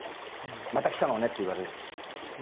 「また来たのね」って言われる。